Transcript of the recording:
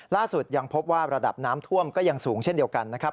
ล่าสุดยังพบว่าระดับน้ำท่วมก็ยังสูงเช่นเดียวกันนะครับ